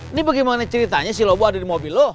ini bagaimana ceritanya si lobo ada di mobil lo